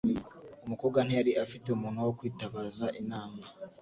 Umukobwa ntiyari afite umuntu wo kwitabaza inama.